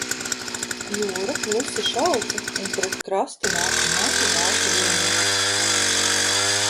Jūra klusi šalca un pret krastu nāca mazi, balti vilnīši